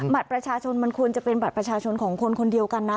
บัตรประชาชนมันควรจะเป็นบัตรประชาชนของคนคนเดียวกันนะ